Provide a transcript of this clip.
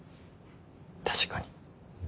確かに。